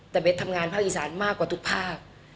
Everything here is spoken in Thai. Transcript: แต่เบสทำงานภาคอีสานมากกว่าทุกภาค